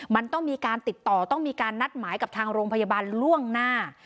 มันต้องมีการติดต่อต้องมีการนัดหมายกับทางโรงพยาบาลล่วงหน้า